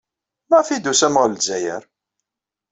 Maɣef ay d-tusam ɣer Lezzayer?